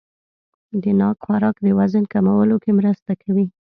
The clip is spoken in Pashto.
د ناک خوراک د وزن کمولو کې مرسته کوي.